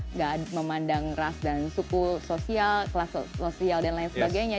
nggak memandang ras dan suku sosial kelas sosial dan lain sebagainya